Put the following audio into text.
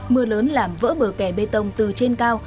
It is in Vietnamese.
mưa lớn làm vỡ bờ kè bê tông từ trên cao